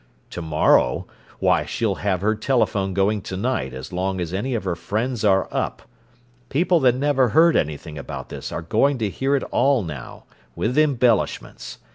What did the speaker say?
To morrow? Why, she'll have her telephone going to night as long as any of her friends are up! People that never heard anything about this are going to hear it all now, with embellishments.